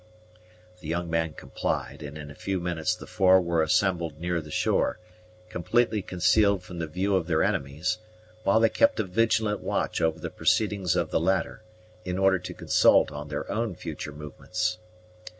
The young man complied; and in a few minutes the four were assembled near the shore, completely concealed from the view of their enemies, while they kept a vigilant watch over the proceedings of the latter, in order to consult on their own future movements.